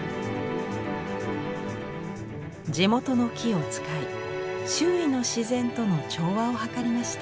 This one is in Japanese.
地元の木を使い周囲の自然との調和を図りました。